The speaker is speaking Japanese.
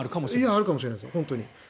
あるかもしれないですよ